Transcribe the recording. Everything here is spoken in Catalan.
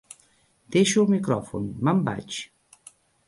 Deixo el micròfon, me"n vaig.